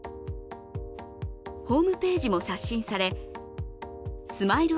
ホームページも刷新され、ＳＭＩＬＥ